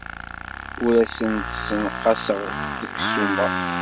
Ur asen-d-ssenqaseɣ deg ssuma.